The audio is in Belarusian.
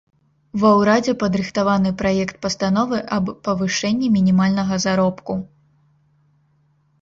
Ва ўрадзе падрыхтаваны праект пастановы аб павышэнні мінімальнага заробку.